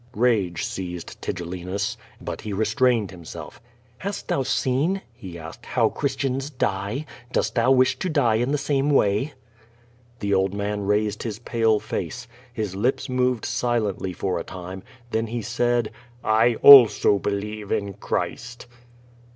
Rage seized Tigellinus, but he restrained himself. "Hast thou seen," he asked, "how Christians die? Dost thou wish to die in the same way?" The old man raised his pale face. His lips moved silently for a time; then he said: "I also believe in Christ."